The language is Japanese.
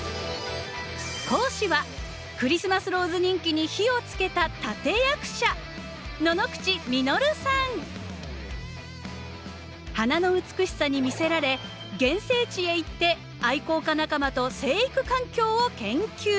講師はクリスマスローズ人気に火をつけた立て役者花の美しさに魅せられ原生地へ行って愛好家仲間と生育環境を研究。